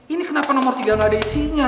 ini kenapa nomor tiga gak ada isinya